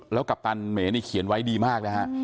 แล้วกัปตันเหมนี่เขียนไว้ดีมากนะฮะ